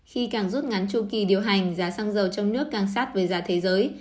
khi càng rút ngắn chu kỳ điều hành giá xăng dầu trong nước càng sát với giá thế giới